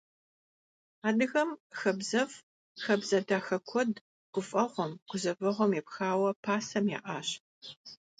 Адыгэм хабзэфӀ, хабзэ дахэ куэд гуфӀэгъуэм, гузэвэгъуэм епхауэ пасэм яӀащ.